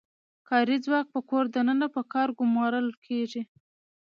کاري ځواک په کور دننه په کار ګومارل کیږي.